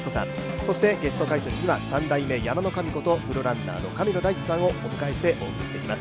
そしてゲスト解説には３代目・山の神ことプロランナーの神野大地さんをお迎えしてお伝えします。